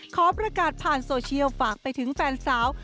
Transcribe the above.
ขอประกาศผ่านโซเชียลฝากไปถึงแฟนสาว